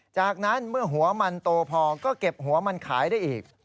จากนั้นเมื่อหัวมันโตพอก็เก็บหัวมันขายได้อีก